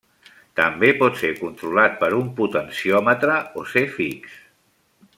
També pot ser controlat per un potenciòmetre o ser fix.